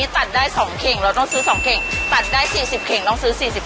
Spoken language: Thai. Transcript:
ตัดได้๔๐เครงต้องซื้อ๔๐เครง